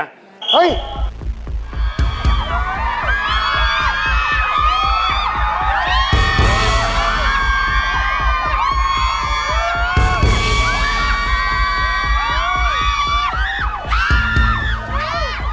เฮ้ย